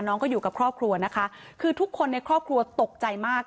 น้องก็อยู่กับครอบครัวนะคะคือทุกคนในครอบครัวตกใจมาก